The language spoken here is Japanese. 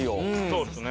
そうですね。